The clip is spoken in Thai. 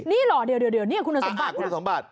นี่เหรอเดี๋ยวคุณสมบัติ